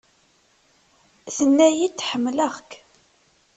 Tenna-yi-d "ḥemmleɣ-k".